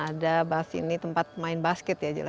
ada tempat main basket ya jola